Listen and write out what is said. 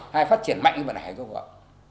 hai phát triển mạnh hai phát triển không gọi